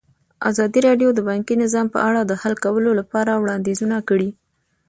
ازادي راډیو د بانکي نظام په اړه د حل کولو لپاره وړاندیزونه کړي.